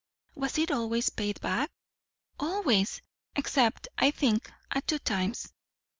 "Was it always paid back?" "Always; except, I think, at two times.